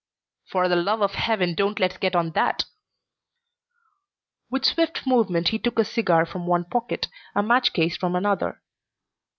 "For the love of Heaven don't let's get on that!" With swift movement he took a cigar from one pocket, a match case from another.